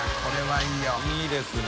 いいですね。